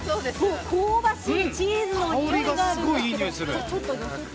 香ばしいチーズのにおいが。